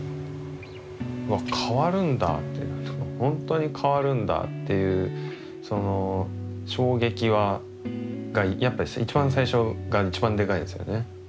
わっ変わるんだってほんとに変わるんだっていうその衝撃はやっぱ一番最初が一番デカイですよね。